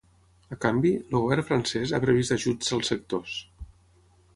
A canvi, el govern francès ha previst ajuts als sectors.